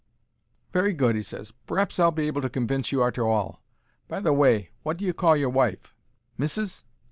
"Very good," he ses; "p'r'aps I'll be able to convince you arter all. By the way, wot do you call your wife? Missis?"